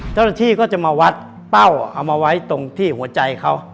เจ้าหน้าที่ก็จะมาวัดเป้าเอามาไว้ตรงที่หัวใจเขา